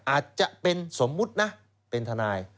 อาจจะเป็นสมมุตินะเป็นทนาย